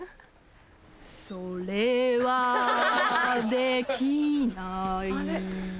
それはできない